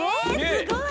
すごい！